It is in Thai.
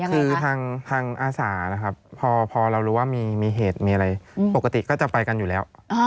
คือทางอาสานะครับพอเรารู้ว่ามีเหตุมีอะไรปกติก็จะไปกันอยู่แล้ว